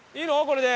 これで。